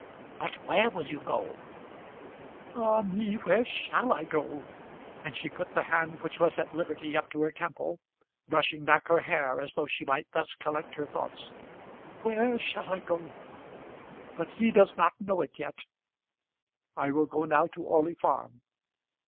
"But where will you go?" "Ah me, where shall I go?" And she put the hand which was at liberty up to her temple, brushing back her hair as though she might thus collect her thoughts. "Where shall I go? But he does not know it yet. I will go now to Orley Farm.